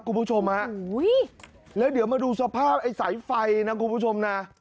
หุ้ยหรอหุ้ยแล้วเดี๋ยวมาดูสภาพไฟสายนะคุณผู้ชม